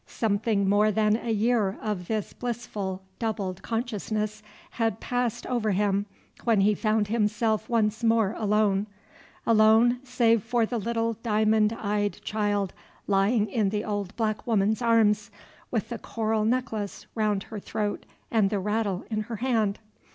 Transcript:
Something more than a year of this blissful doubled consciousness had passed over him when he found himself once more alone, alone, save for the little diamond eyed child lying in the old black woman's arms, with the coral necklace round her throat and the rattle in her hand.